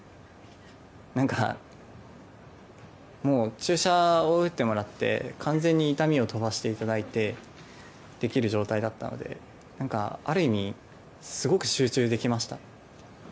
なんか、もう注射を打ってもらって完全に痛みを飛ばしていただいてできる状態だったので何かある意味すごく集中できました。